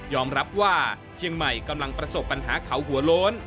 รับว่าเชียงใหม่กำลังประสบปัญหาเขาหัวโล้น